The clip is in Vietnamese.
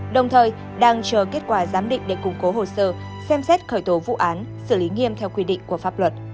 đồng thời đang chờ kết quả giám định để củng cố hồ sơ xem xét khởi tố vụ án xử lý nghiêm theo quy định của pháp luật